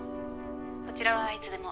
こちらはいつでも。